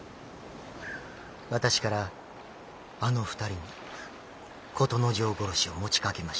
私からあの２人に琴之丞殺しを持ちかけました。